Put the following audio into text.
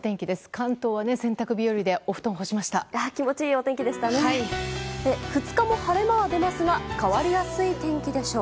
関東は洗濯日和でお布団干しました。